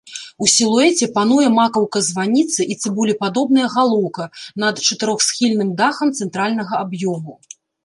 У сілуэце пануе макаўка званіцы і цыбулепадобная галоўка над чатырохсхільным дахам цэнтральнага аб'ёму.